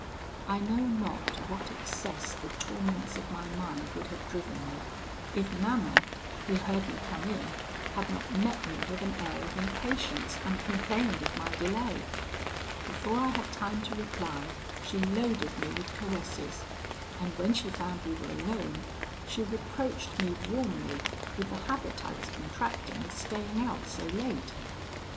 "I know not to what excess the torments of my mind would have driven me, if Manon, who heard me come in, had not met me with an air of impatience, and complained of my delay. Before I had time to reply, she loaded me with caresses; and when she found we were alone, she reproached me warmly with the habit I was contracting of staying out so late.